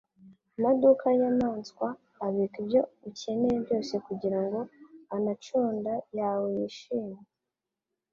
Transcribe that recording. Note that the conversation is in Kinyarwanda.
Amaduka yinyamanswa abika ibyo ukeneye byose kugirango anaconda yawe yishimye.